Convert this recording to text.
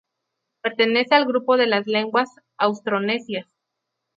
Pertenece al grupo de las lenguas austronesias.